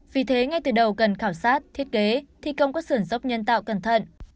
vì thế ngay từ đầu cần khảo sát thiết kế thi công các sườn dốc nhân tạo cẩn thận